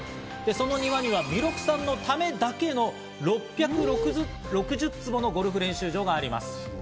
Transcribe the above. その庭には弥勒さんのためだけの６６０坪のゴルフ練習場があります。